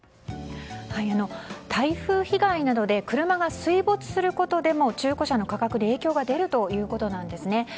台風被害などで車が水没することでも中古車の価格に影響が出るということなんですね。